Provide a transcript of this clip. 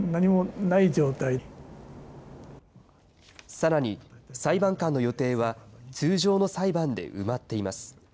さらに、裁判官の予定は、通常の裁判で埋まっています。